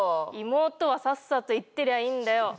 妹はさっさと行ってりゃいいんだよ